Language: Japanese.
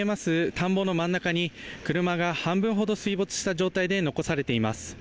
田んぼの真ん中に車が半分ほど水没した状態で残されています。